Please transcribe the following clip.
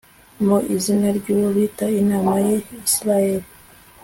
mu izina ry'uwo bita imana ya israheli